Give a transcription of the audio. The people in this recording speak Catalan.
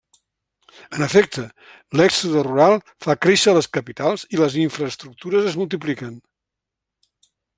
En efecte, l'èxode rural fa créixer les capitals i les infraestructures es multipliquen.